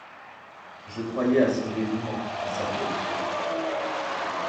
Je croyais à son dévouement, à sa probité.